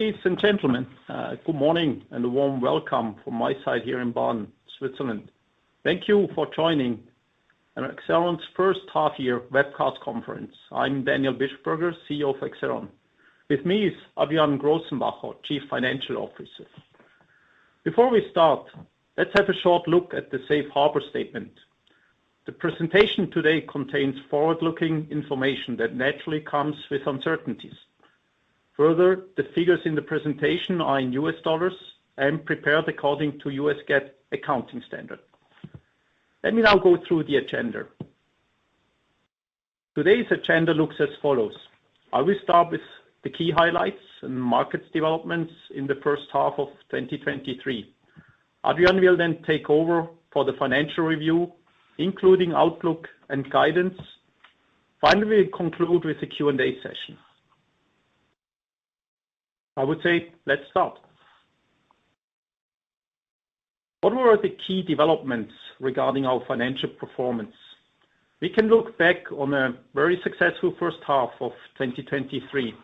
Ladies and gentlemen, good morning and a warm welcome from my side here in Baden, Switzerland. Thank you for joining our Accelleron's first half year webcast conference. I'm Daniel Bischofberger, CEO of Accelleron. With me is Adrian Grossenbacher, Chief Financial Officer. Before we start, let's have a short look at the safe harbor statement. The presentation today contains forward-looking information that naturally comes with uncertainties. Further, the figures in the presentation are in US dollars and prepared according to U.S. GAAP accounting standard. Let me now go through the agenda. Today's agenda looks as follows: I will start with the key highlights and markets developments in the first half of 2023. Adrian will then take over for the financial review, including outlook and guidance. Finally, we conclude with a Q&A session. I would say, let's start. What were the key developments regarding our financial performance? We can look back on a very successful first half of 2023.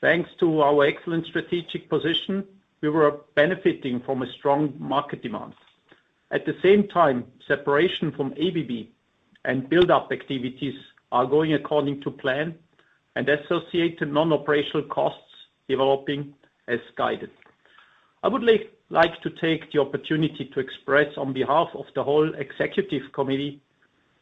Thanks to our excellent strategic position, we were benefiting from a strong market demand. At the same time, separation from ABB and build-up activities are going according to plan, and associated non-operational costs developing as guided. I would like to take the opportunity to express, on behalf of the whole executive committee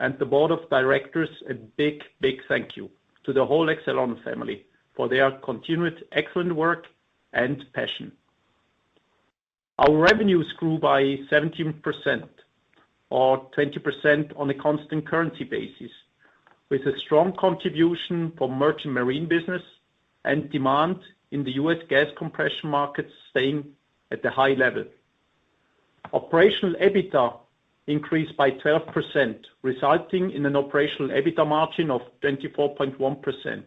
and the board of directors, a big, big thank you to the whole Accelleron family for their continued excellent work and passion. Our revenues grew by 17% or 20% on a constant currency basis, with a strong contribution from merchant marine business and demand in the U.S. gas compression market staying at the high level. Operational EBITDA increased by 12%, resulting in an operational EBITDA margin of 24.1%,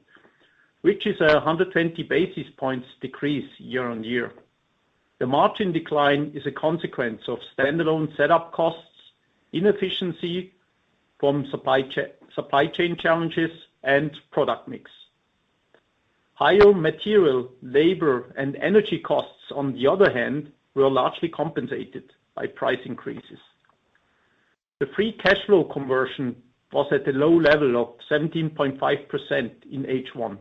which is a 120 basis points decrease year-over-year. The margin decline is a consequence of standalone set-up costs, inefficiency from supply chain challenges, and product mix. Higher material, labor, and energy costs, on the other hand, were largely compensated by price increases. The free cash flow conversion was at a low level of 17.5% in H1,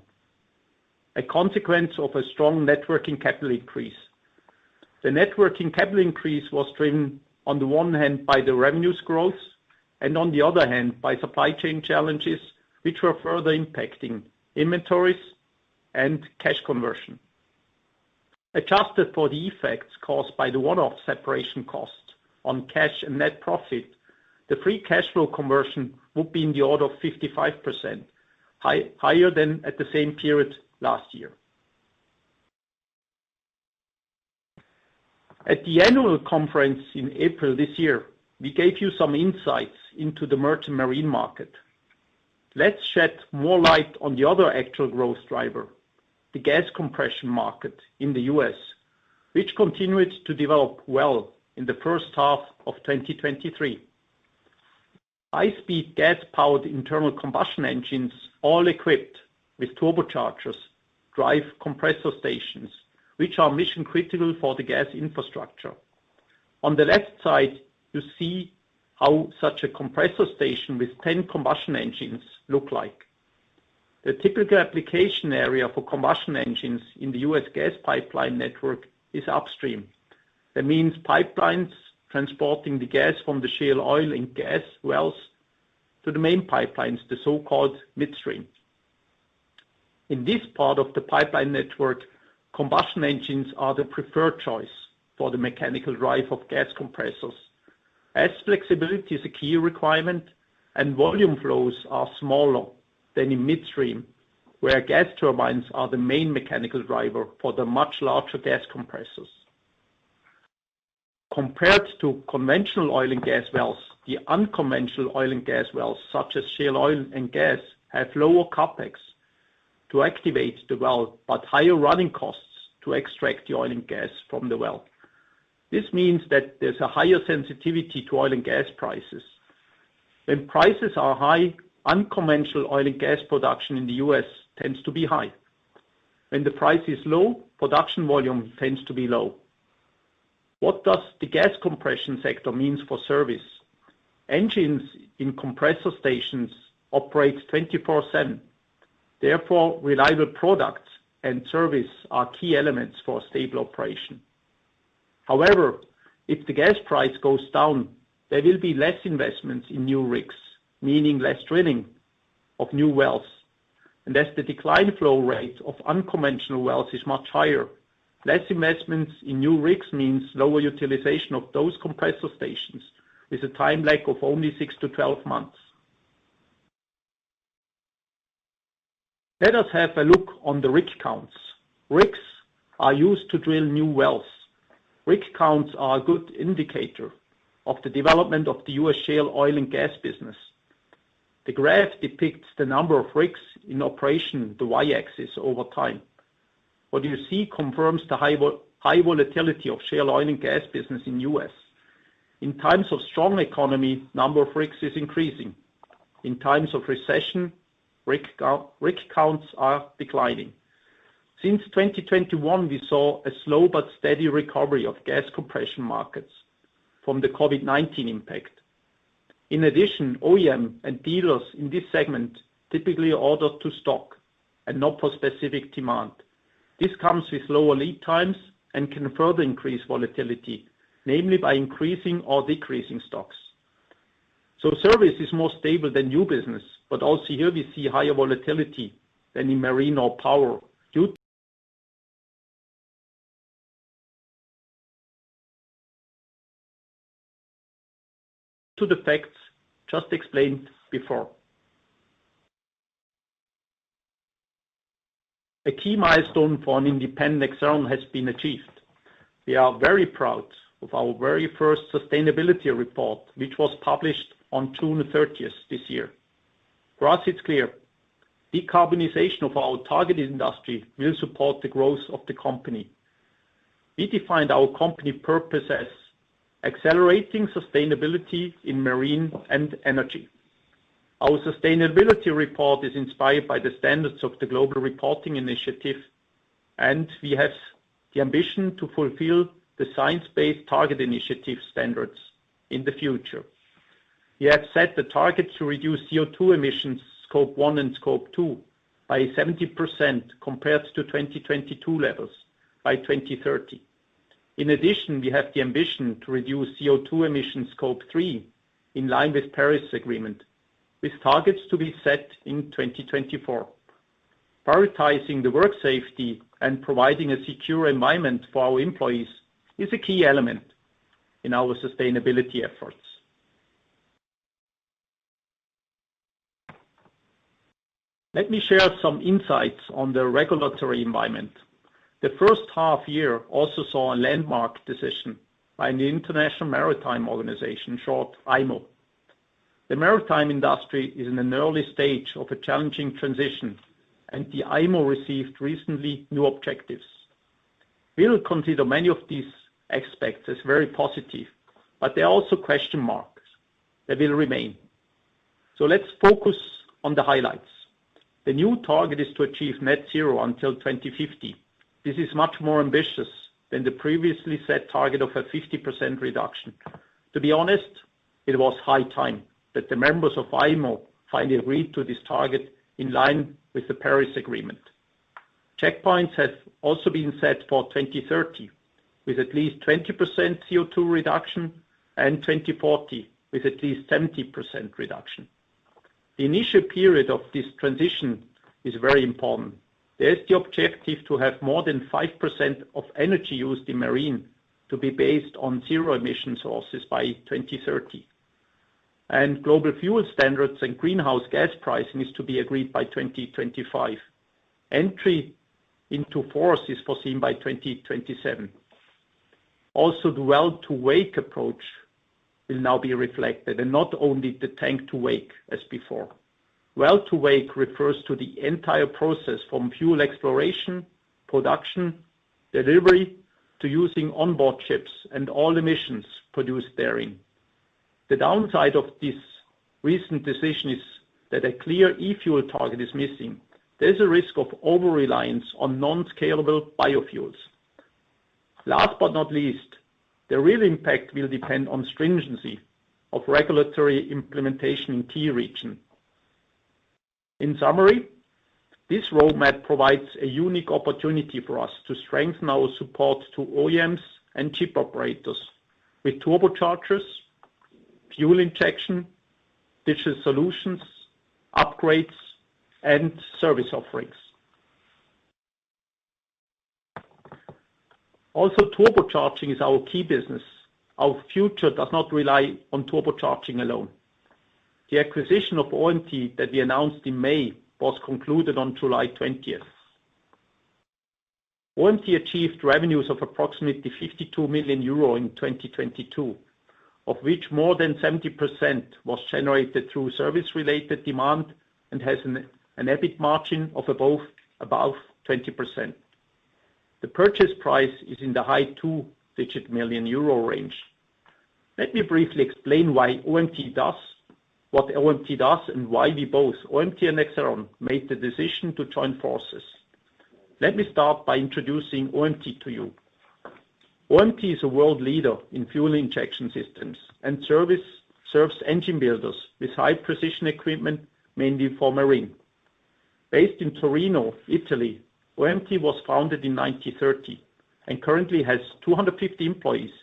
a consequence of a strong net working capital increase. The net working capital increase was driven, on the one hand by the revenue growth, and on the other hand, by supply chain challenges, which were further impacting inventories and cash conversion. Adjusted for the effects caused by the one-off separation cost on cash and net profit, the free cash flow conversion would be in the order of 55%, higher than at the same period last year. At the annual conference in April this year, we gave you some insights into the merchant marine market. Let's shed more light on the other actual growth driver, the gas compression market in the U.S., which continued to develop well in the first half of 2023. High-speed gas-powered internal combustion engines, all equipped with turbochargers, drive compressor stations, which are mission-critical for the gas infrastructure. On the left side, you see how such a compressor station with 10 combustion engines look like. The typical application area for combustion engines in the U.S. gas pipeline network is upstream. That means pipelines transporting the gas from the shale oil and gas wells to the main pipelines, the so-called midstream. In this part of the pipeline network, combustion engines are the preferred choice for the mechanical drive of gas compressors, as flexibility is a key requirement and volume flows are smaller than in midstream, where gas turbines are the main mechanical driver for the much larger gas compressors. Compared to conventional oil and gas wells, the unconventional oil and gas wells, such as shale oil and gas, have lower CapEx to activate the well, but higher running costs to extract the oil and gas from the well. This means that there's a higher sensitivity to oil and gas prices. When prices are high, unconventional oil and gas production in the U.S. tends to be high. When the price is low, production volume tends to be low. What does the gas compression sector means for service? Engines in compressor stations operates 24/7. Therefore, reliable products and service are key elements for a stable operation. However, if the gas price goes down, there will be less investments in new rigs, meaning less drilling of new wells. And as the decline flow rate of unconventional wells is much higher, less investments in new rigs means lower utilization of those compressor stations, with a time lag of only 6-12 months. Let us have a look on the rig counts. Rigs are used to drill new wells. Rig counts are a good indicator of the development of the U.S. shale oil and gas business. The graph depicts the number of rigs in operation, the Y-axis, over time. What you see confirms the high volatility of shale oil and gas business in U.S. In times of strong economy, number of rigs is increasing. In times of recession, rig count, rig counts are declining. Since 2021, we saw a slow but steady recovery of gas compression markets from the COVID-19 impact. In addition, OEM and dealers in this segment typically order to stock and not for specific demand. This comes with lower lead times and can further increase volatility, namely by increasing or decreasing stocks. So service is more stable than new business, but also here we see higher volatility than in marine or power, due to the facts just explained before. A key milestone for an independent Accelleron has been achieved. We are very proud of our very first sustainability report, which was published on June 30th, this year. For us, it's clear decarbonization of our targeted industry will support the growth of the company. We defined our company purpose as accelerating sustainability in marine and energy. Our sustainability report is inspired by the standards of the Global Reporting Initiative, and we have the ambition to fulfill the Science Based Targets initiative standards in the future. We have set the target to reduce CO₂ emissions, Scope 1 and Scope 2, by 70% compared to 2022 levels by 2030. In addition, we have the ambition to reduce CO₂ emissions, Scope 3, in line with Paris Agreement, with targets to be set in 2024. Prioritizing the work safety and providing a secure environment for our employees is a key element in our sustainability efforts. Let me share some insights on the regulatory environment. The first half year also saw a landmark decision by the International Maritime Organization, short IMO. The maritime industry is in an early stage of a challenging transition, and the IMO received recently new objectives. We will consider many of these aspects as very positive, but there are also question marks that will remain. Let's focus on the highlights. The new target is to achieve net zero until 2050. This is much more ambitious than the previously set target of a 50% reduction. To be honest, it was high time that the members of IMO finally agreed to this target in line with the Paris Agreement. Checkpoints have also been set for 2030, with at least 20% CO₂ reduction, and 2040, with at least 70% reduction. The initial period of this transition is very important. There is the objective to have more than 5% of energy used in marine to be based on zero emission sources by 2030. Global fuel standards and greenhouse gas pricing is to be agreed by 2025. Entry into force is foreseen by 2027. Also, the Well-to-wake approach will now be reflected, and not only the tank-to-wake as before. Well-to-wake refers to the entire process from fuel exploration, production, delivery, to using onboard ships and all emissions produced therein. The downside of this recent decision is that a clear E-fuel target is missing. There's a risk of over-reliance on non-scalable biofuels. Last but not least, the real impact will depend on stringency of regulatory implementation in key region. In summary, this roadmap provides a unique opportunity for us to strengthen our support to OEMs and ship operators with turbochargers, fuel injection, digital solutions, upgrades, and service offerings. Also, turbocharging is our key business. Our future does not rely on turbocharging alone. The acquisition of OMT that we announced in May was concluded on July 20th. OMT achieved revenues of approximately 52 million euro in 2022, of which more than 70% was generated through service-related demand and has an EBIT margin of above 20%. The purchase price is in the high two-digit million euro range. Let me briefly explain why OMT does what OMT does, and why we both, OMT and Accelleron, made the decision to join forces. Let me start by introducing OMT to you. OMT is a world leader in fuel injection systems and services, serves engine builders with high-precision equipment, mainly for marine. Based in Torino, Italy, OMT was founded in 1930, and currently has 250 employees,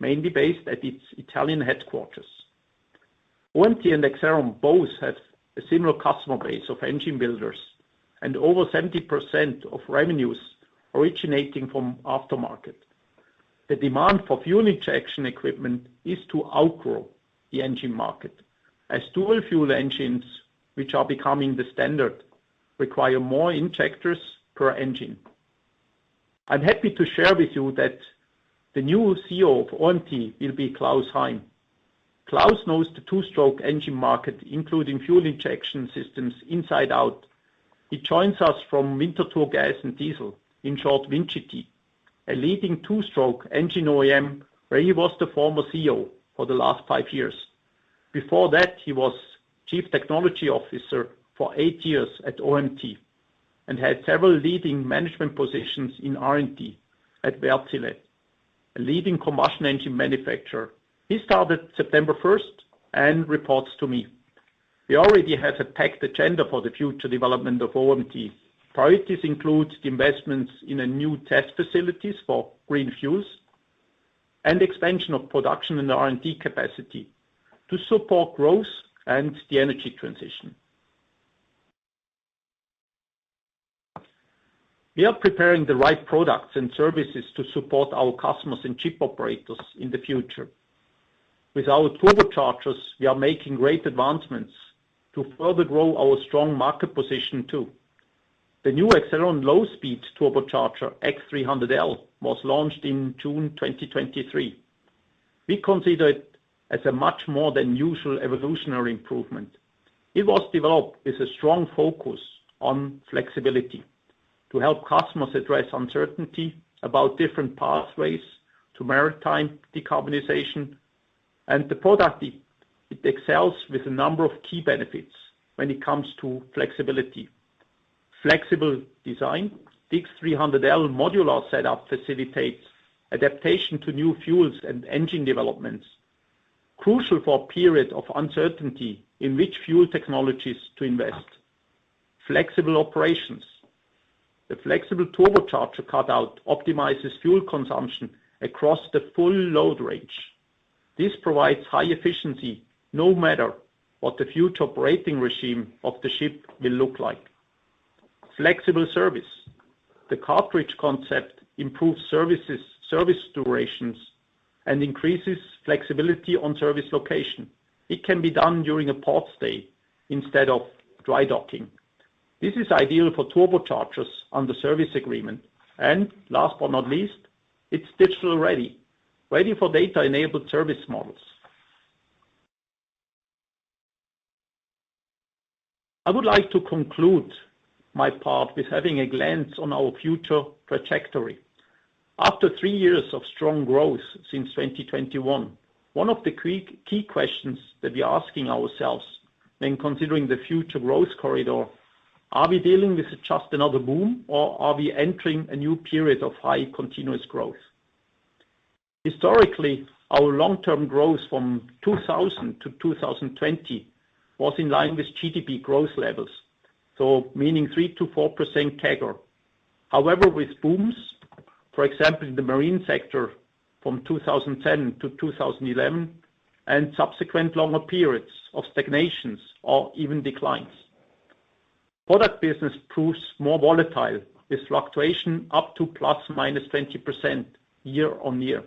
mainly based at its Italian headquarters. OMT and Accelleron both have a similar customer base of engine builders, and over 70% of revenues originating from aftermarket. The demand for fuel injection equipment is to outgrow the engine market, as dual-fuel engines, which are becoming the standard, require more injectors per engine. I'm happy to share with you that the new CEO of OMT will be Klaus Heim. Klaus knows the two-stroke engine market, including fuel injection systems, inside out. He joins us from Winterthur Gas and Diesel, in short, WinGD, a leading two-stroke engine OEM, where he was the former CEO for the last five years. Before that, he was Chief Technology Officer for eight years at OMT, and had several leading management positions in R&D at Wärtsilä, a leading combustion engine manufacturer. He started September 1st and reports to me. He already has attacked the agenda for the future development of OMT. Priorities includes the investments in a new test facilities for green fuels and expansion of production in the R&D capacity to support growth and the energy transition. We are preparing the right products and services to support our customers and ship operators in the future. With our turbochargers, we are making great advancements to further grow our strong market position, too. The new Accelleron low-speed turbocharger, X300L, was launched in June 2023. We consider it as a much more than usual evolutionary improvement. It was developed with a strong focus on flexibility to help customers address uncertainty about different pathways to maritime decarbonization. The product, it excels with a number of key benefits when it comes to flexibility. Flexible design. The X300L modular setup facilitates adaptation to new fuels and engine developments, crucial for a period of uncertainty in which fuel technologies to invest. Flexible operations. The flexible turbocharger cutout optimizes fuel consumption across the full load range. This provides high efficiency, no matter what the future operating regime of the ship will look like. Flexible service. The cartridge concept improves service durations and increases flexibility on service location. It can be done during a port stay instead of dry docking. This is ideal for turbochargers on the service agreement. And last but not least, it's digital-ready, ready for data-enabled service models. I would like to conclude my part with having a glance on our future trajectory. After three years of strong growth since 2021, one of the key, key questions that we are asking ourselves when considering the future growth corridor: Are we dealing with just another boom, or are we entering a new period of high, continuous growth? Historically, our long-term growth from 2000 to 2020 was in line with GDP growth levels, so meaning 3%-4% CAGR. However, with booms, for example, in the marine sector from 2010 to 2011, and subsequent longer periods of stagnations or even declines. Product business proves more volatile, with fluctuation up to ±20% year on year.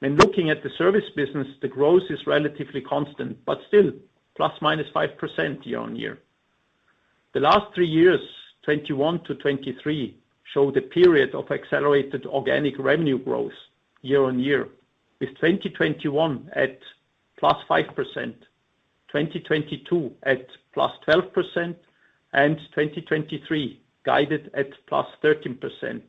When looking at the service business, the growth is relatively constant, but still ±5% year on year. The last three years, 2021 to 2023, show the period of accelerated organic revenue growth year-on-year, with 2021 at +5%, 2022 at +12%, and 2023 guided at +13%.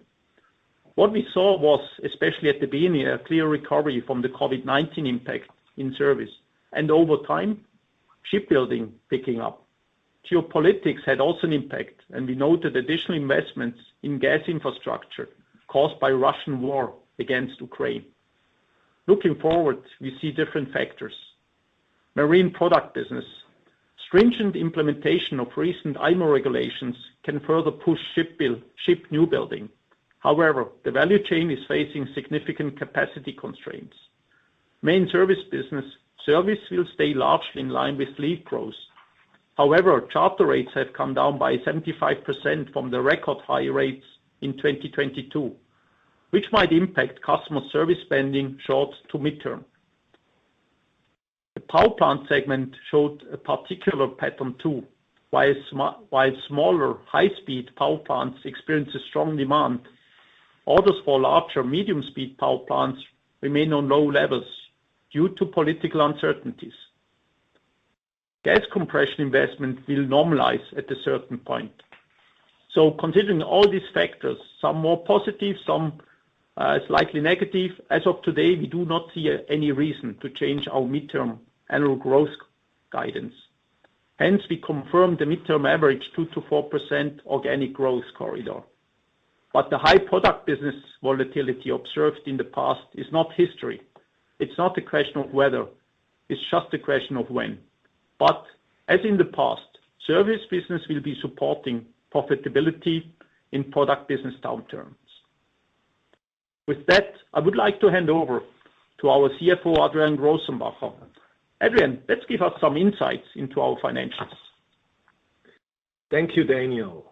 What we saw was, especially at the beginning, a clear recovery from the COVID-19 impact in service, and over time, shipbuilding picking up. Geopolitics had also an impact, and we noted additional investments in gas infrastructure caused by Russian war against Ukraine. Looking forward, we see different factors. Marine product business. Stringent implementation of recent IMO regulations can further push shipbuilding, ship newbuilding. However, the value chain is facing significant capacity constraints. Main service business. Service will stay largely in line with lead growth. However, charter rates have come down by 75% from the record high rates in 2022, which might impact customer service spending short to midterm. The power plant segment showed a particular pattern, too. While smaller, high-speed power plants experience a strong demand, orders for larger medium-speed power plants remain on low levels due to political uncertainties. Gas compression investment will normalize at a certain point. Considering all these factors, some more positive, some slightly negative, as of today, we do not see any reason to change our midterm annual growth guidance. Hence, we confirm the midterm average 2%-4% organic growth corridor. But the high product business volatility observed in the past is not history. It's not a question of whether, it's just a question of when. But as in the past, service business will be supporting profitability in product business downturns. With that, I would like to hand over to our CFO, Adrian Grossenbacher. Adrian, let's give us some insights into our financials. Thank you, Daniel.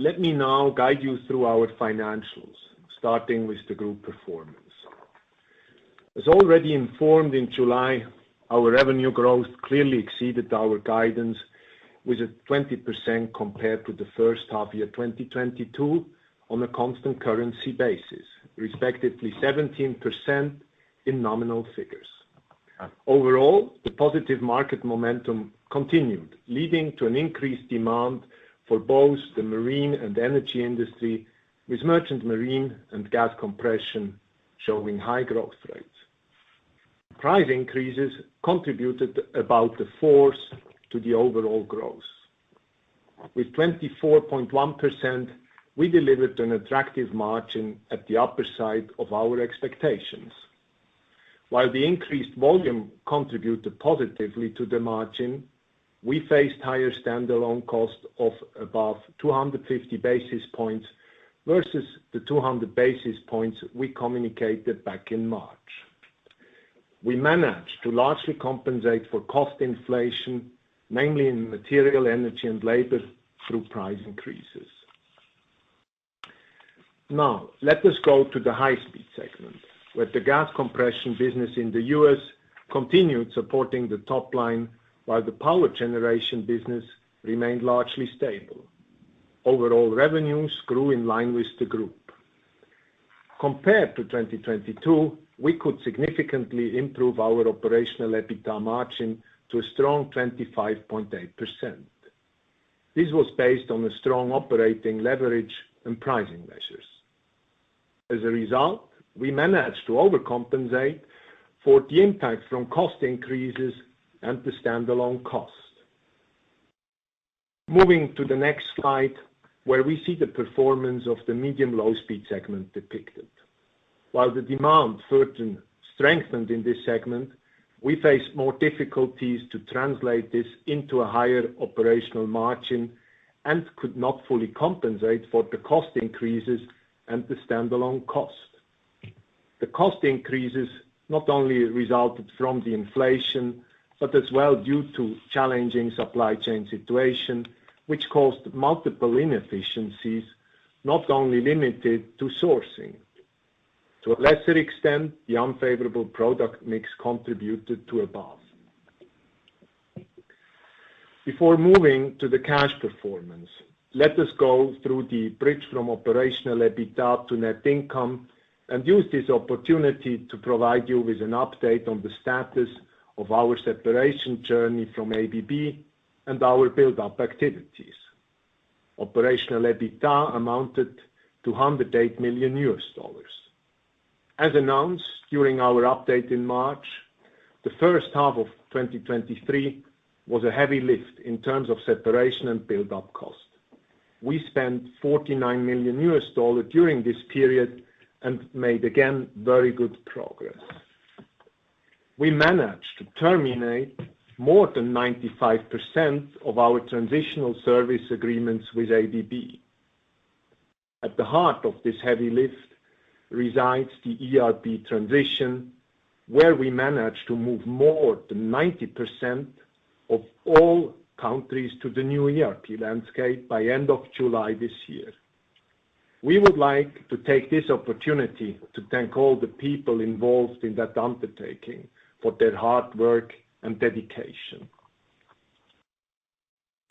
Let me now guide you through our financials, starting with the group performance. As already informed in July, our revenue growth clearly exceeded our guidance, with a 20% compared to the first half year, 2022, on a constant currency basis, respectively 17% in nominal figures. Overall, the positive market momentum continued, leading to an increased demand for both the marine and energy industry, with merchant marine and gas compression showing high growth rates. Price increases contributed about a fourth to the overall growth. With 24.1%, we delivered an attractive margin at the upper side of our expectations. While the increased volume contributed positively to the margin, we faced higher standalone costs of above 250 basis points, versus the 200 basis points we communicated back in March. We managed to largely compensate for cost inflation, mainly in material, energy, and labor, through price increases. Now, let us go to the high-speed segment, where the gas compression business in the U.S. continued supporting the top line, while the power generation business remained largely stable. Overall, revenues grew in line with the group. Compared to 2022, we could significantly improve our operational EBITDA margin to a strong 25.8%. This was based on a strong operating leverage and pricing measures. As a result, we managed to overcompensate for the impact from cost increases and the standalone cost. Moving to the next slide, where we see the performance of the medium low speed segment depicted. While the demand certainly strengthened in this segment, we faced more difficulties to translate this into a higher operational margin and could not fully compensate for the cost increases and the standalone cost. The cost increases not only resulted from the inflation, but as well due to challenging supply chain situation, which caused multiple inefficiencies, not only limited to sourcing. To a lesser extent, the unfavorable product mix contributed to above. Before moving to the cash performance, let us go through the bridge from operational EBITDA to net income, and use this opportunity to provide you with an update on the status of our separation journey from ABB and our build-up activities. Operational EBITDA amounted to $108 million. As announced during our update in March, the first half of 2023 was a heavy lift in terms of separation and build-up cost. We spent $49 million during this period and made, again, very good progress. We managed to terminate more than 95% of our transitional service agreements with ABB. At the heart of this heavy lift resides the ERP transition, where we managed to move more than 90% of all countries to the new ERP landscape by end of July this year. We would like to take this opportunity to thank all the people involved in that undertaking for their hard work and dedication.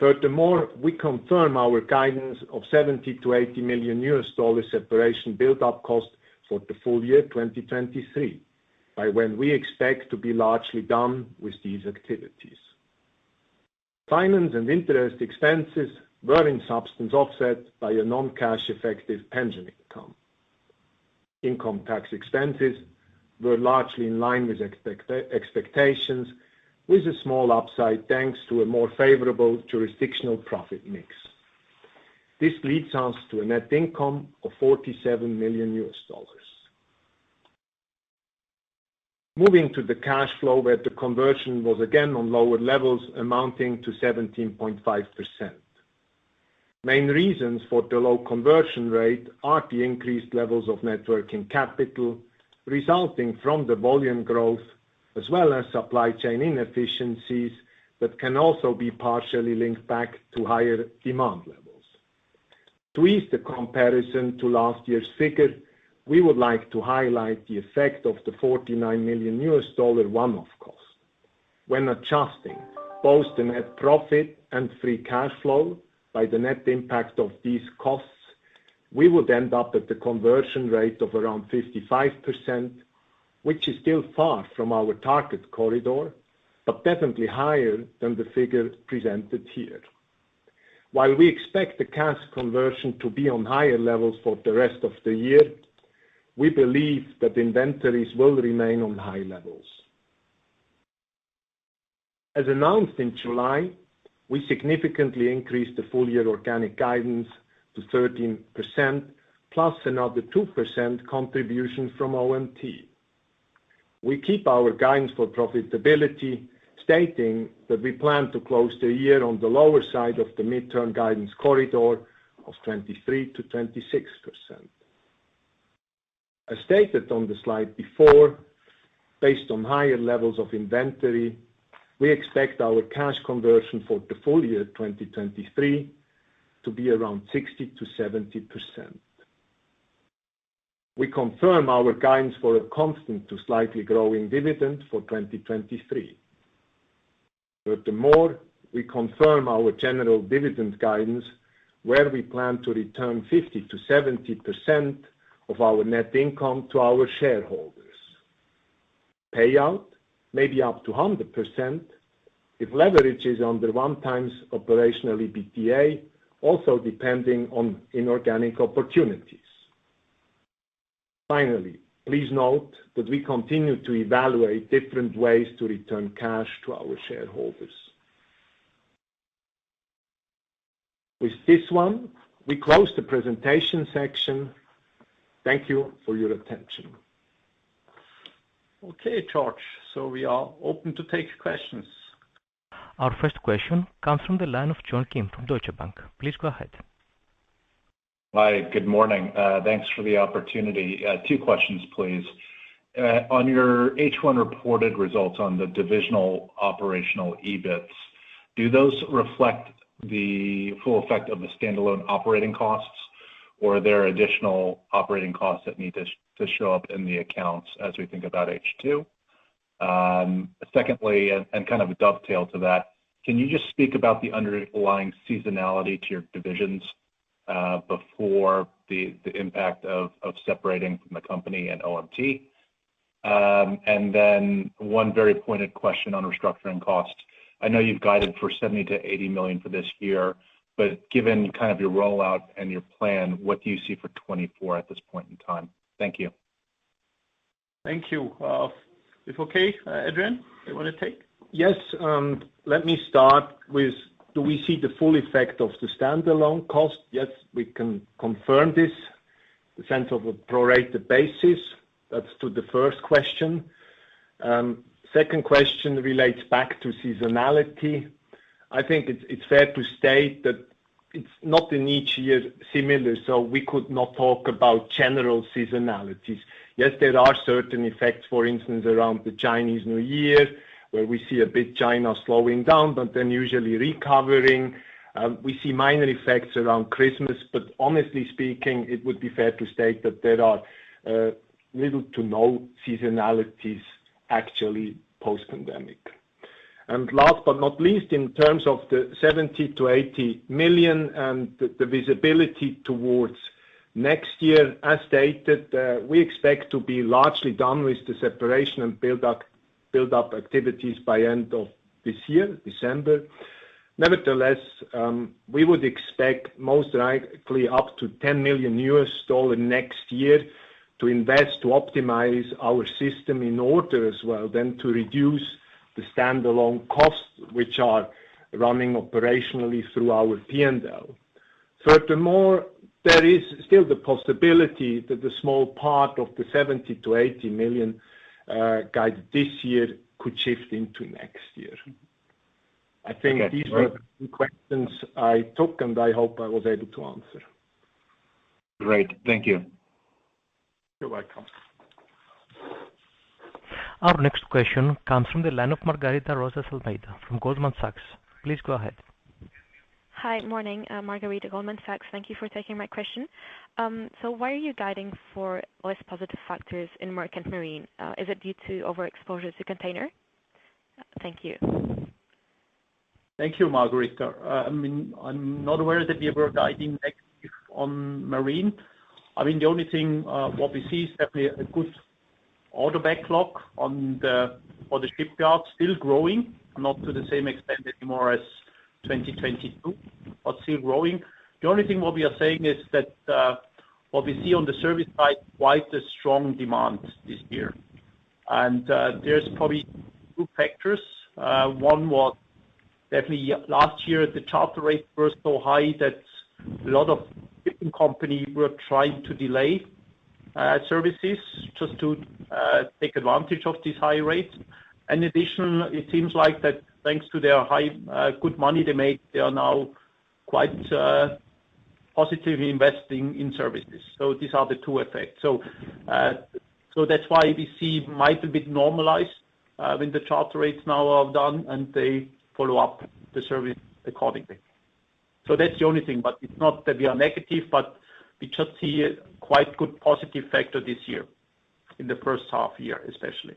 Furthermore, we confirm our guidance of $70 million-$80 million separation buildup cost for the full year 2023, by when we expect to be largely done with these activities. Finance and interest expenses were in substance offset by a non-cash-effective pension income. Income tax expenses were largely in line with expectations, with a small upside, thanks to a more favorable jurisdictional profit mix. This leads us to a net income of $47 million. Moving to the cash flow, where the conversion was again on lower levels, amounting to 17.5%. Main reasons for the low conversion rate are the increased levels of net working capital, resulting from the volume growth, as well as supply chain inefficiencies that can also be partially linked back to higher demand levels. To ease the comparison to last year's figure, we would like to highlight the effect of the $49 million one-off cost. When adjusting both the net profit and free cash flow by the net impact of these costs, we would end up at the conversion rate of around 55%, which is still far from our target corridor, but definitely higher than the figure presented here. While we expect the cash conversion to be on higher levels for the rest of the year, we believe that inventories will remain on high levels. As announced in July, we significantly increased the full year organic guidance to 13%, plus another 2% contribution from OMT. We keep our guidance for profitability, stating that we plan to close the year on the lower side of the midterm guidance corridor of 23%-26%. As stated on the slide before, based on higher levels of inventory, we expect our cash conversion for the full year 2023 to be around 60%-70%. We confirm our guidance for a constant to slightly growing dividend for 2023. Furthermore, we confirm our general dividend guidance, where we plan to return 50%-70% of our net income to our shareholders. Payout may be up to 100% if leverage is under 1x operational EBITDA, also depending on inorganic opportunities. Finally, please note that we continue to evaluate different ways to return cash to our shareholders. With this one, we close the presentation section. Thank you for your attention. Okay, George, we are open to take questions. Our first question comes from the line of John Kim from Deutsche Bank. Please go ahead. Hi, good morning. Thanks for the opportunity. Two questions, please. On your H1 reported results on the divisional operational EBITs, do those reflect the full effect of the standalone operating costs or are there additional operating costs that need to show up in the accounts as we think about H2? Secondly, and kind of a dovetail to that, can you just speak about the underlying seasonality to your divisions before the impact of separating from the company and OMT? And then one very pointed question on restructuring costs. I know you've guided for 70 million-80 million for this year, but given kind of your rollout and your plan, what do you see for 2024 at this point in time? Thank you. Thank you. If okay, Adrian, you want to take? Yes, let me start with, do we see the full effect of the standalone cost? Yes, we can confirm this, the sense of a prorated basis. That's to the first question. Second question relates back to seasonality. I think it's fair to state that it's not in each year similar, so we could not talk about general seasonalities. Yes, there are certain effects, for instance, around the Chinese New Year, where we see a bit China slowing down, but then usually recovering. We see minor effects around Christmas, but honestly speaking, it would be fair to state that there are little to no seasonalities actually post-pandemic. Last but not least, in terms of the 70 million-80 million and the visibility towards next year, as stated, we expect to be largely done with the separation and build up, build up activities by end of this year, December. Nevertheless, we would expect most likely up to $10 million next year to invest, to optimize our system in order as well, then to reduce the standalone costs, which are running operationally through our P&L. Furthermore, there is still the possibility that the small part of the 70-80 million guided this year could shift into next year. Okay. I think these were the questions I took, and I hope I was able to answer. Great. Thank you. You're welcome. Our next question comes from the line of Margarita Rosa Saldana from Goldman Sachs. Please go ahead. Hi. Morning, Margarita, Goldman Sachs. Thank you for taking my question. So why are you guiding for less positive factors in merchant marine? Is it due to overexposure to container? Thank you. Thank you, Margarita. I mean, I'm not aware that we were guiding negative on marine. I mean, the only thing what we see is definitely a good order backlog on the, for the shipyard, still growing, not to the same extent anymore as 2022, but still growing. The only thing what we are saying is that what we see on the service side, quite a strong demand this year. And there's probably two factors. One was definitely last year, the charter rates were so high that a lot of shipping company were trying to delay services just to take advantage of these high rates. In addition, it seems like that thanks to their high good money they made, they are now quite positive investing in services. So these are the two effects. So, that's why we see might a bit normalized, when the charter rates now are down, and they follow up the service accordingly. So that's the only thing, but it's not that we are negative, but we just see a quite good positive factor this year, in the first half year, especially.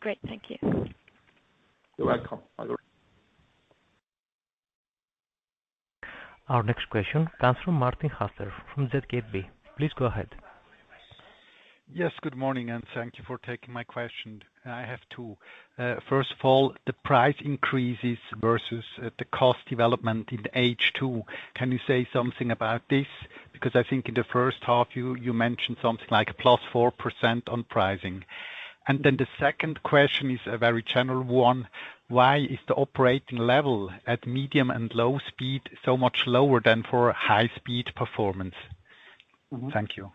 Great. Thank you. You're welcome, Margarita. Our next question comes from Martin Hüsler from ZKB. Please go ahead. Yes, good morning, and thank you for taking my question. I have two. First of all, the price increases versus the cost development in H2. Can you say something about this? Because I think in the first half, you mentioned something like a plus 4% on pricing. And then the second question is a very general one. Why is the operating level at medium and low speed so much lower than for high-speed performance? Mm-hmm. Thank you.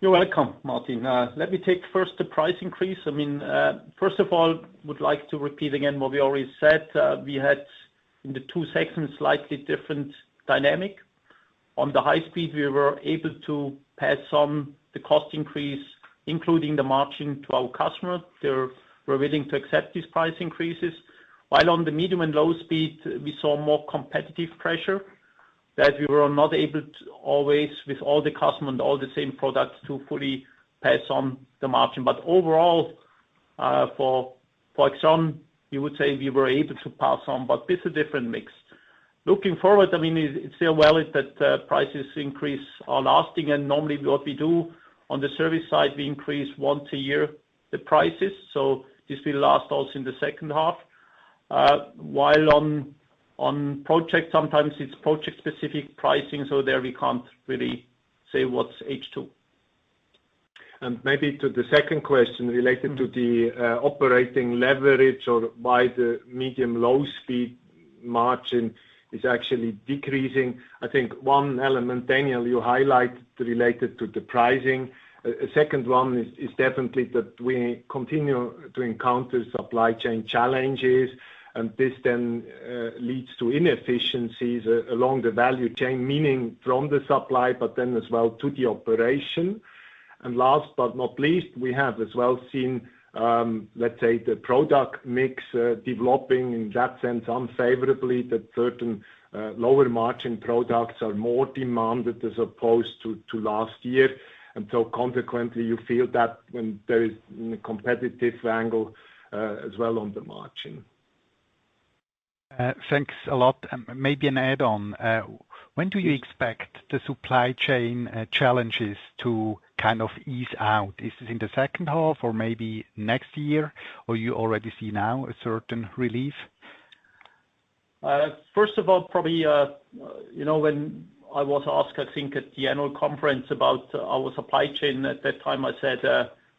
You're welcome, Martin. Let me take first the price increase. I mean, first of all, would like to repeat again what we already said. We had in the two sections, slightly different dynamic. On the high speed, we were able to pass on the cost increase... including the margin to our customer, we're willing to accept these price increases. While on the medium and low speed, we saw more competitive pressure, that we were not able to always, with all the customer and all the same products, to fully pass on the margin. But overall, for Exxon, we would say we were able to pass on, but it's a different mix. Looking forward, I mean, it's still valid that prices increase are lasting, and normally what we do on the service side, we increase once a year the prices, so this will last also in the second half. While on project, sometimes it's project-specific pricing, so there we can't really say what's H2. Maybe to the second question related to the operating leverage or why the medium low speed margin is actually decreasing. I think one element, Daniel, you highlight related to the pricing. A second one is definitely that we continue to encounter supply chain challenges, and this then leads to inefficiencies along the value chain, meaning from the supply, but then as well to the operation. And last but not least, we have as well seen, let's say, the product mix developing in that sense, unfavorably, that certain lower margin products are more demanded as opposed to last year. And so consequently, you feel that when there is competitive angle as well on the margin. Thanks a lot. And maybe an add-on. When do you expect the supply chain challenges to kind of ease out? Is it in the second half or maybe next year, or you already see now a certain relief? First of all, probably, you know, when I was asked, I think, at the annual conference about our supply chain, at that time, I said,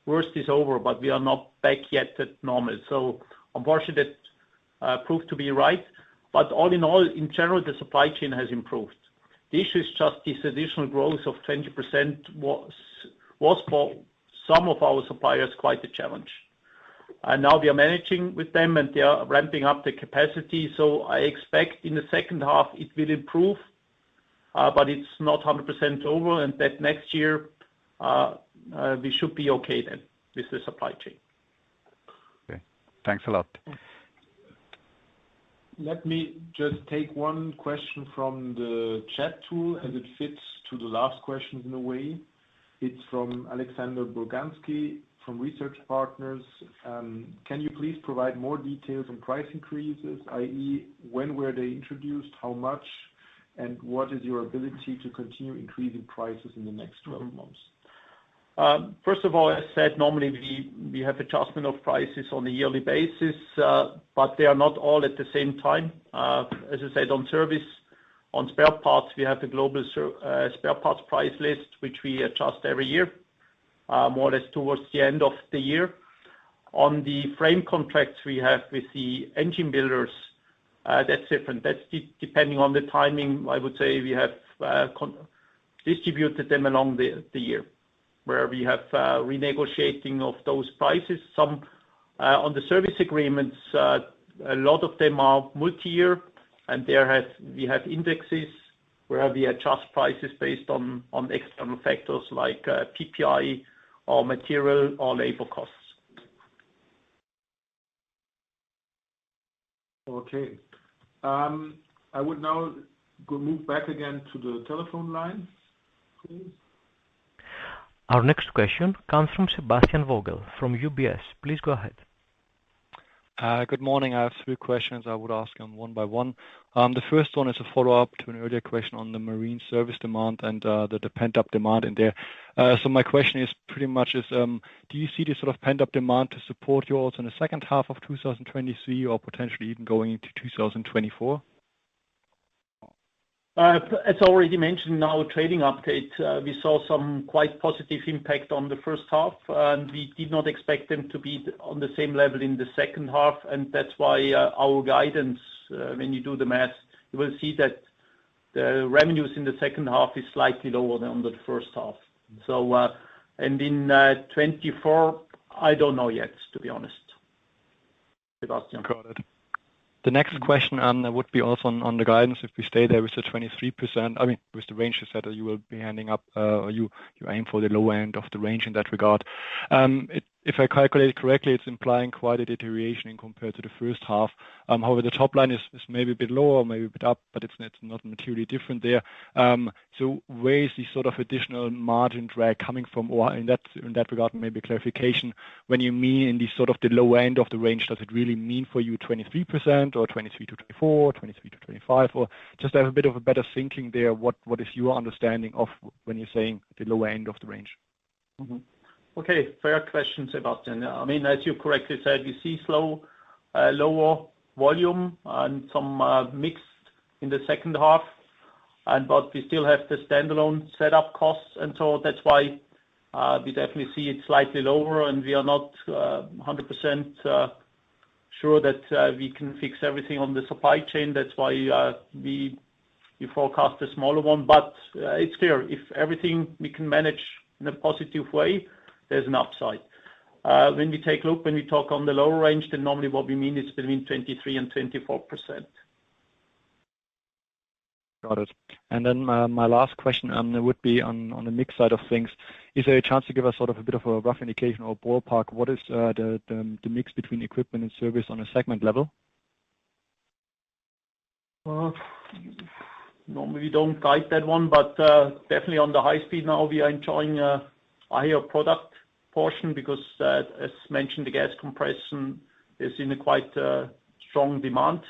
"Worst is over, but we are not back yet at normal." So unfortunately, that proved to be right. But all in all, in general, the supply chain has improved. The issue is just this additional growth of 20% was for some of our suppliers, quite a challenge. And now we are managing with them, and they are ramping up the capacity. So I expect in the second half it will improve, but it's not 100% over, and that next year we should be okay then with the supply chain. Okay. Thanks a lot. Let me just take one question from the chat tool, as it fits to the last question in a way. It's from Alexander Boganski, from Research Partners. Can you please provide more details on price increases, i.e., when were they introduced, how much, and what is your ability to continue increasing prices in the next twelve months? First of all, as I said, normally, we have adjustment of prices on a yearly basis, but they are not all at the same time. As I said, on service, on spare parts, we have the global spare parts price list, which we adjust every year, more or less towards the end of the year. On the frame contracts we have with the engine builders, that's different. That's depending on the timing, I would say we have distributed them along the year, where we have renegotiating of those prices. Some on the service agreements, a lot of them are multi-year, and we have indexes where we adjust prices based on external factors like PPI or material or labor costs. Okay. I would now go move back again to the telephone lines, please. Our next question comes from Sebastian Vogel, from UBS. Please go ahead. Good morning. I have three questions I would ask them one by one. The first one is a follow-up to an earlier question on the marine service demand and the pent-up demand in there. So my question is pretty much is, do you see this sort of pent-up demand to support yours in the second half of 2023 or potentially even going into 2024? As already mentioned in our trading update, we saw some quite positive impact on the first half, and we did not expect them to be on the same level in the second half. And that's why, our guidance, when you do the math, you will see that the revenues in the second half is slightly lower than the first half. So, and in 2024, I don't know yet, to be honest, Sebastian. Got it. The next question would be also on, on the guidance, if we stay there with the 23%, I mean, with the range you said that you will be ending up, or you, you aim for the low end of the range in that regard. If, if I calculate it correctly, it's implying quite a deterioration in comparison to the first half. However, the top line is, is maybe a bit lower or maybe a bit up, but it's not, not materially different there. So where is the sort of additional margin drag coming from, or in that, in that regard, maybe clarification, when you mean in the sort of the low end of the range, does it really mean for you 23% or 23%-24%, 23%-25%? Or just to have a bit of a better thinking there, what, what is your understanding of when you're saying the low end of the range? Mm-hmm. Okay, fair question, Sebastian. I mean, as you correctly said, we see slow, lower volume and some, mixed in the second half, and but we still have the standalone set up costs, and so that's why, we definitely see it slightly lower, and we are not, hundred percent, sure that, we can fix everything on the supply chain. That's why, we, we forecast a smaller one. But, it's clear, if everything we can manage in a positive way, there's an upside. When we take a look, when we talk on the lower range, then normally what we mean is between 23% and 24%. Got it. And then, my last question would be on the mix side of things. Is there a chance to give us sort of a bit of a rough indication or ballpark? What is the mix between equipment and service on a segment level? Well, normally, we don't guide that one, but definitely on the high speed now, we are enjoying a higher product portion because, as mentioned, the gas compression is in quite strong demand.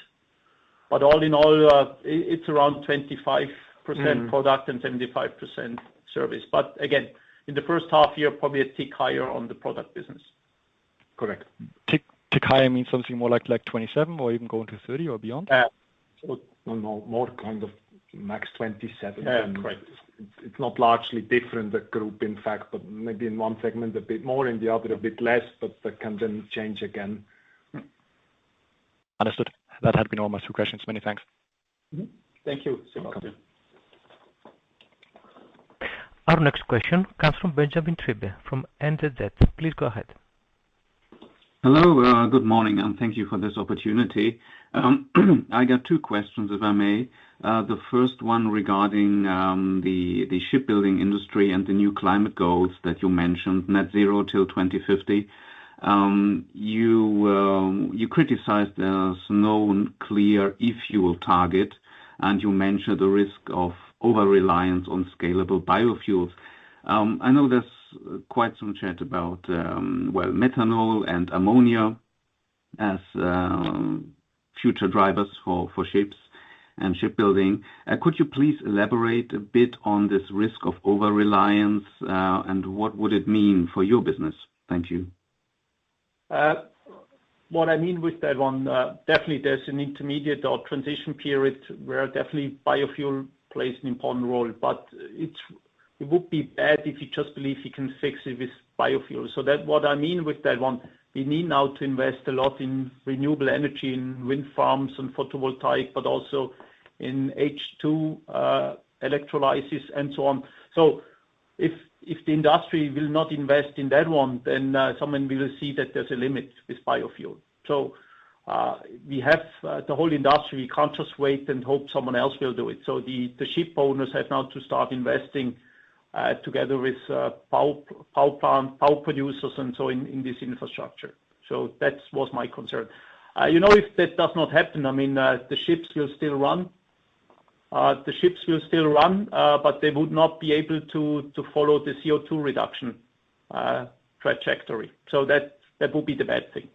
But all in all, it's around 25%. Mm-hmm. Product and 75% service. But again, in the first half year, probably a tick higher on the product business. Correct. Tick, tick higher means something more like 27 or even going to 30 or beyond? No, no. More kind of max 27. Uh, correct. It's not largely different, the group, in fact, but maybe in one segment, a bit more, in the other, a bit less, but that can then change again. Understood. That had been all my two questions. Many thanks. Mm-hmm. Thank you, Sebastian. Our next question comes from Benjamin Triebe from NZZ. Please go ahead. Hello, good morning, and thank you for this opportunity. I got two questions, if I may. The first one regarding the shipbuilding industry and the new climate goals that you mentioned, net zero till 2050. You criticized no clear, if you will, target, and you mentioned the risk of over-reliance on scalable biofuels. I know there's quite some chat about well, methanol and ammonia as future drivers for ships and shipbuilding. Could you please elaborate a bit on this risk of over-reliance, and what would it mean for your business? Thank you. What I mean with that one, definitely there's an intermediate or transition period where definitely biofuel plays an important role, but it would be bad if you just believe you can fix it with biofuel. So that what I mean with that one, we need now to invest a lot in renewable energy, in wind farms and photovoltaic, but also in H2, electrolysis, and so on. So if, if the industry will not invest in that one, then, someone will see that there's a limit with biofuel. So, we have, the whole industry. We can't just wait and hope someone else will do it. So the, the ship owners have now to start investing, together with, power, power plant, power producers, and so in, in this infrastructure. So that was my concern. You know, if that does not happen, I mean, the ships will still run. The ships will still run, but they would not be able to follow the CO2 reduction trajectory. So that would be the bad thing.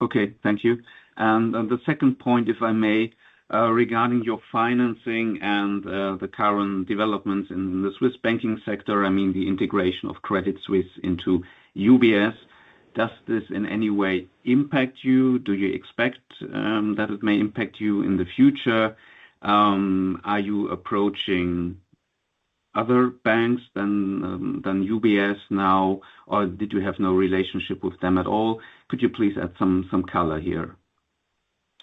Okay, thank you. And the second point, if I may, regarding your financing and the current developments in the Swiss banking sector, I mean, the integration of Credit Suisse into UBS, does this in any way impact you? Do you expect that it may impact you in the future? Are you approaching other banks than than UBS now, or did you have no relationship with them at all? Could you please add some color here?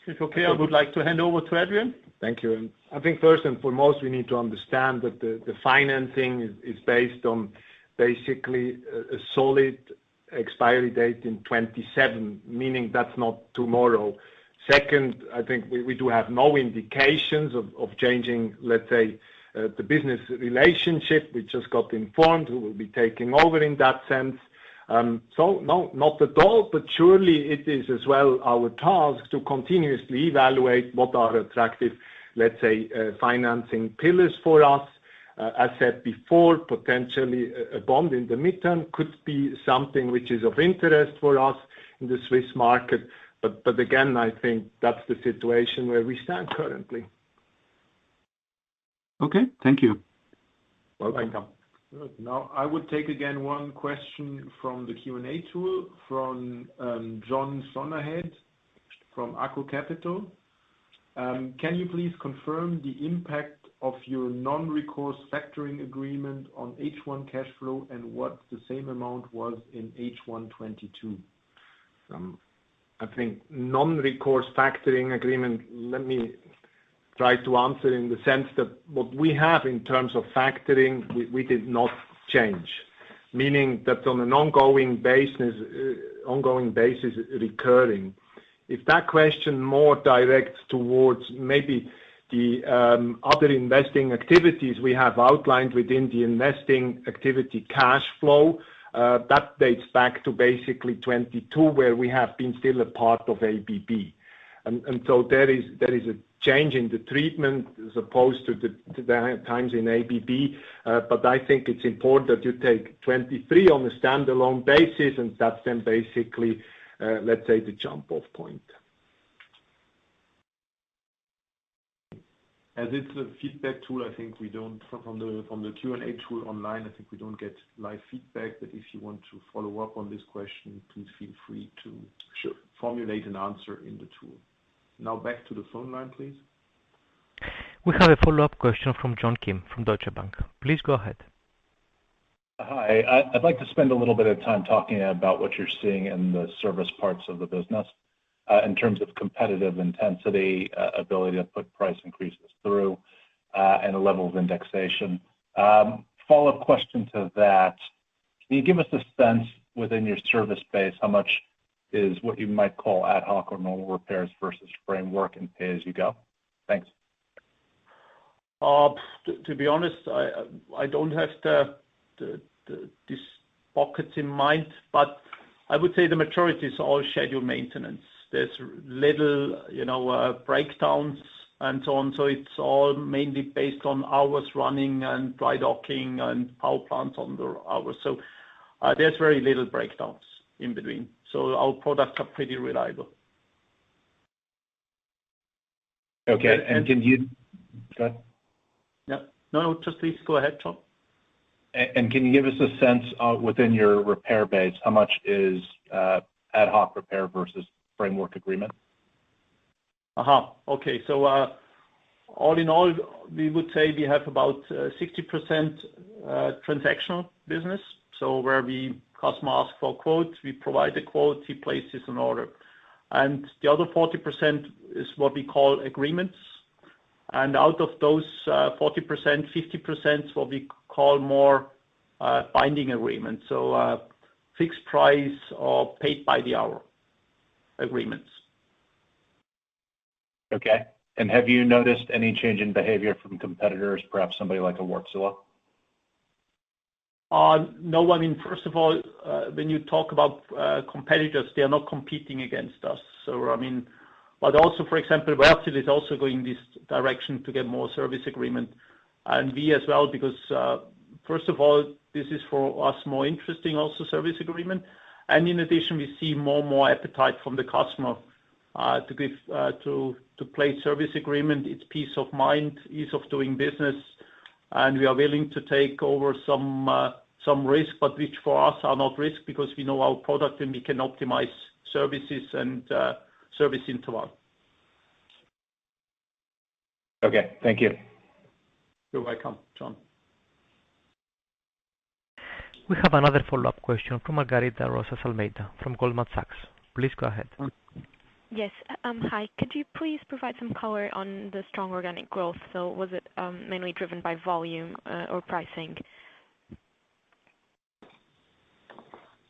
If okay, I would like to hand over to Adrian. Thank you. I think first and foremost, we need to understand that the financing is based on basically a solid expiry date in 2027, meaning that's not tomorrow. Second, I think we do have no indications of changing, let's say, the business relationship. We just got informed who will be taking over in that sense. So no, not at all, but surely it is as well our task to continuously evaluate what are attractive, let's say, financing pillars for us. As said before, potentially a bond in the midterm could be something which is of interest for us in the Swiss market. But again, I think that's the situation where we stand currently. Okay, thank you. Welcome. Welcome. Good. Now, I would take again one question from the Q&A tool from John Sonnehead from Arco Capital. Can you please confirm the impact of your non-recourse factoring agreement on H1 cash flow and what the same amount was in H1 2022? I think non-recourse factoring agreement, let me try to answer in the sense that what we have in terms of factoring, we, we did not change. Meaning that on an ongoing basis, ongoing basis, recurring. If that question more directs towards maybe the other investing activities we have outlined within the investing activity cash flow, that dates back to basically 2022, where we have been still a part of ABB. There is a change in the treatment as opposed to the times in ABB, but I think it's important that you take 2023 on a standalone basis, and that's then basically, let's say, the jump-off point. As it's a feedback tool, I think we don't get live feedback from the Q&A tool online, but if you want to follow up on this question, please feel free to, Sure Formulate an answer in the tool. Now back to the phone line, please. We have a follow-up question from John Kim, from Deutsche Bank. Please go ahead. Hi. I'd like to spend a little bit of time talking about what you're seeing in the service parts of the business, in terms of competitive intensity, ability to put price increases through, and the level of indexation. Follow-up question to that- Can you give us a sense within your service base, how much is what you might call ad hoc or normal repairs versus framework and pay-as-you-go? Thanks. To be honest, I don't have this pockets in mind, but I would say the majority is all scheduled maintenance. There's little, you know, breakdowns and so on. So it's all mainly based on hours running and dry docking and power plants on the hours. So there's very little breakdowns in between, so our products are pretty reliable. Okay. And can you go ahead. Yeah. No, no, just please go ahead, Tom. Can you give us a sense, within your repair base, how much is ad hoc repair versus framework agreement? Uh-huh. Okay. So, all in all, we would say we have about 60% transactional business. So where customer ask for quotes, we provide the quote, he places an order. And the other 40% is what we call agreements. And out of those 40%, 50% is what we call more binding agreement. So, fixed price or paid by the hour agreements. Okay. Have you noticed any change in behavior from competitors, perhaps somebody like a Wärtsilä? No. I mean, first of all, when you talk about competitors, they are not competing against us. So, I mean. But also, for example, Wärtsilä is also going this direction to get more service agreement, and we as well, because first of all, this is for us more interesting, also service agreement. And in addition, we see more and more appetite from the customer to place service agreement. It's peace of mind, ease of doing business, and we are willing to take over some risk, but which for us are not risk because we know our product and we can optimize services and service interval. Okay, thank you. You're welcome, Tom. We have another follow-up question from Margarita Rosa Saldana from Goldman Sachs. Please go ahead. Yes, hi. Could you please provide some color on the strong organic growth? So was it mainly driven by volume, or pricing?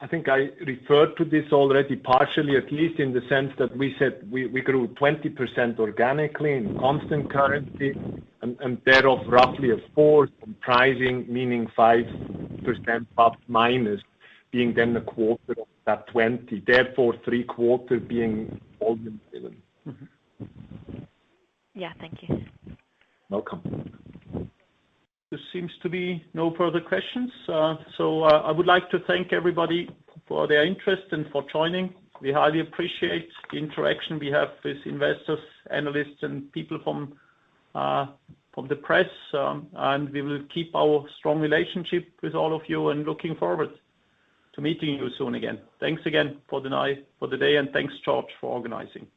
I think I referred to this already, partially, at least in the sense that we said we grew 20% organically in constant currency, and thereof, roughly a fourth comprising, meaning 5%, but minus being then a quarter of that 20, therefore three quarters being volume driven. Mm-hmm. Yeah. Thank you. Welcome. There seems to be no further questions. So, I would like to thank everybody for their interest and for joining. We highly appreciate the interaction we have with investors, analysts, and people from the press, and we will keep our strong relationship with all of you, and looking forward to meeting you soon again. Thanks again for the night- for the day, and thanks, George, for organizing.